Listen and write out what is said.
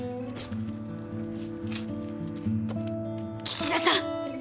岸田さん！